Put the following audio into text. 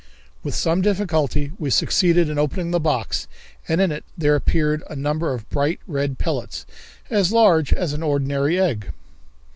With some difficulty we succeeded in opening the box and in it there appeared a number of bright red pellets, as large as an ordinary egg.